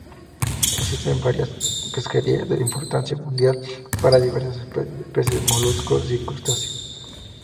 Existen varias pesquerías de importancia mundial para diversas especies de peces, moluscos y crustáceos.